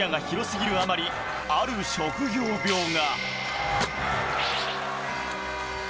しかし、視野が広すぎるあまり、ある職業病が。